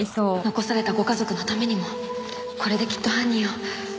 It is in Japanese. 残されたご家族のためにもこれできっと犯人を。